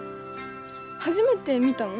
初めて見たの？